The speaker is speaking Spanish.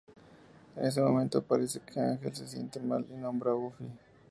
En ese momento parece que Ángel se siente mal y nombra a Buffy.